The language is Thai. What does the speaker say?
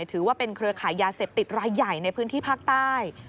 ถือว่าเป็นเครือขายยาเสพติดรายใหญ่ในพื้นที่ภาคใต้